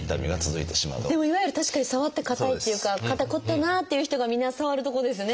でもいわゆる確かに触って硬いっていうか肩こってるなっていう人がみんな触るとこですね。